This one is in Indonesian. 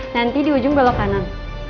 nanti di ujung belok kanan